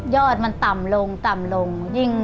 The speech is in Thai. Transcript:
อดมันต่ำลงต่ำลง